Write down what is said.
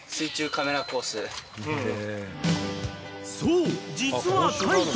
［そう実は海人